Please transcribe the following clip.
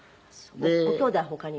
ごきょうだい他には？